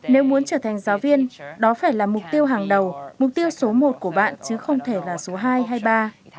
nếu muốn trở thành giáo viên đó phải là mục tiêu hàng đầu mục tiêu số một của bạn chứ không thể là số hai hay ba